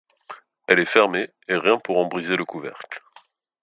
Elle est fermée, et rien pour en briser le couvercle